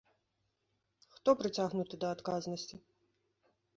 Хто прыцягнуты да адказнасці?